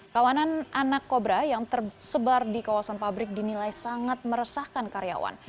kawanan anak kobra yang tersebar di kawasan pabrik dinilai sangat meresahkan karyawan